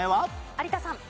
有田さん。